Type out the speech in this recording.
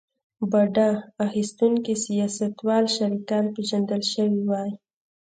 بډه اخیستونکي سیاستوال شریکان پېژندل شوي وای.